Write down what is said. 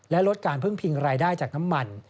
และลดการพึ่งพิงรายได้จากน้ำมัน